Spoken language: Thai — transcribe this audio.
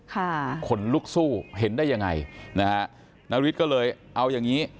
ค่ะคนลุกสู้เห็นได้ยังไงนะฤทธิ์ก็เลยเอาอย่างนี้